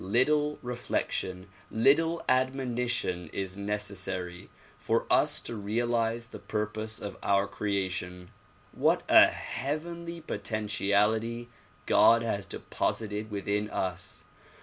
Little reflection, little admonition is necessary for us to realize the purpose of our creation. What a heavenly potentiality God has deposited within us!